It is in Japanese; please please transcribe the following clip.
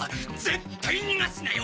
絶対逃がすなよ。